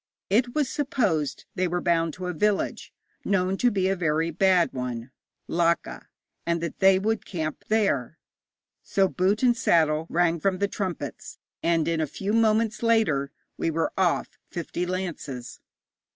It was supposed they were bound to a village known to be a very bad one Laka and that they would camp there. So 'boot and saddle' rang from the trumpets, and in a few moments later we were off, fifty lances.